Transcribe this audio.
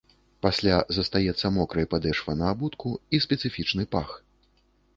Пасля застаецца мокрай падэшва на абутку і спецыфічны пах.